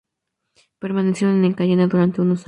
Permanecieron en Cayena durante unos años.